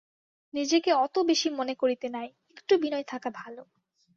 নিজেকে অত বেশি মনে করিতে নাই–একটু বিনয় থাকা ভালো।